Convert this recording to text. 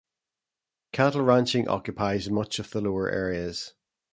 Cattle ranching occupies much of the lower areas.